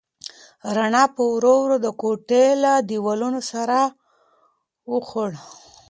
رڼا په ورو ورو د کوټې له دیوالونو سر وخوړ.